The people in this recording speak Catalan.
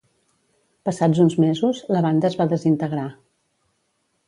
Passats uns mesos, la banda es va desintegrar.